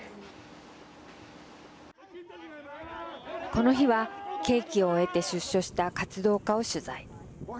この日は、刑期を終えて出所した活動家を取材。